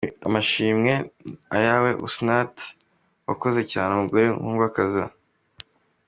Amashimwe ni ayawe Housnat, wakoze cyane mugore nkundwakaza.